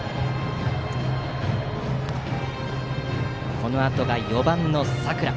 このあと４番、佐倉。